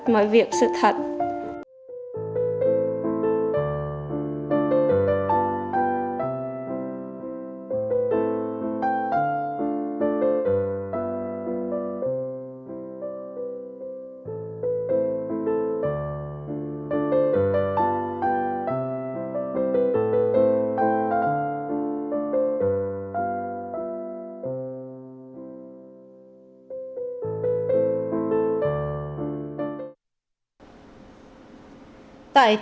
mọi việc sự thật